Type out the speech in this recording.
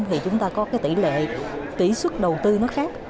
thì chúng ta có cái tỷ lệ tỷ suất đầu tư nó khác